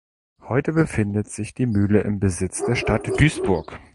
Heute befindet sich die Mühle im Besitz der Stadt Duisburg.